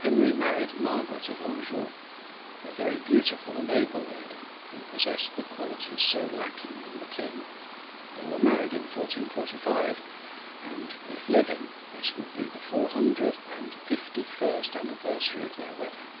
Henry married Margaret of Anjou, a very beautiful and able lady, who possessed the qualities so lacking in the king. They were married in 1445, and, if living, this would be the four hundred and fifty first anniversary of their wedding.